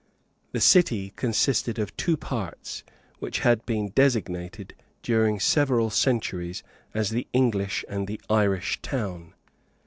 The city consisted of two parts, which had been designated during several centuries as the English and the Irish town.